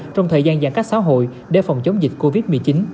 trong thời gian giãn cách xã hội để phòng chống dịch covid một mươi chín